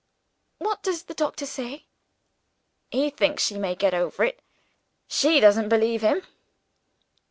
"What does the doctor say?" "He thinks she may get over it. She doesn't believe him."